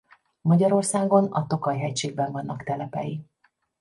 Magyarországon a Tokaj-hegységben vannak telepei.